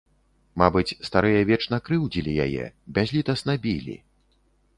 Мабыць, старыя вечна крыўдзілі яе, бязлітасна білі.